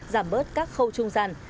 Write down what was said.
giảm bớt các khâu trung gian